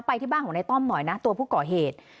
ที่บ้านของนายต้อมหน่อยนะตัวผู้ก่อเหตุ